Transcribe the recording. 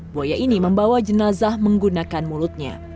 buaya ini membawa jenazah menggunakan mulutnya